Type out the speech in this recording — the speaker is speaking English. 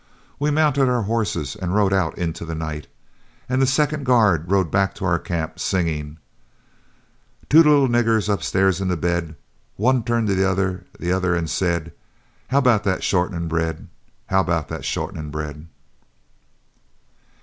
We mounted our horses and rode out into the night, and the second guard rode back to our camp fire, singing: "Two little niggers upstairs in bed, One turned ober to de oder an' said, 'How 'bout dat short'nin' bread, How 'bout dat short'nin' bread?'"